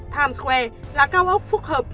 times square là cao ốc phúc hợp